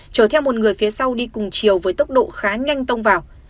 chở theo một người phía sau đi cùng chiều với tốc độ khá nhanh tông vào